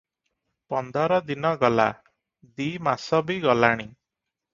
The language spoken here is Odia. ପନ୍ଦର ଦିନ ଗଲା, ଦି ମାସ ବି ଗଲାଣି ।